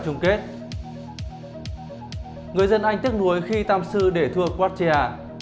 người dân anh tiếc nuối khi tamsu để thua quartia